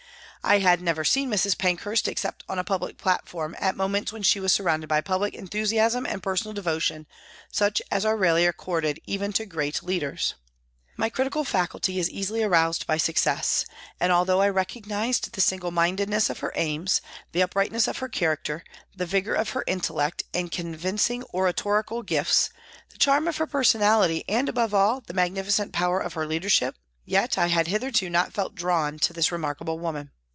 I had never seen Mrs. Pankhurst except on a public plat form at moments when she was surrounded by public enthusiasm and personal devotion, such as are rarely accorded even to great leaders. My critical faculty is easily aroused by success, and although I recognised the single mindedness of her aims, the uprightness of her character, the vigour of her intellect and convincing oratorical gifts, the charm of her personality and, above all, the magnifi cent power of her leadership, yet I had hitherto not felt drawn to this remarkable woman.